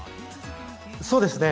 そうですね。